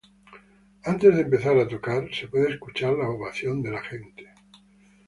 Antes de empezar a tocar, se puede escuchar la ovación de la gente.